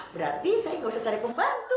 berarti saya nggak usah cari pembantu